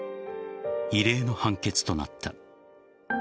異例の判決となった。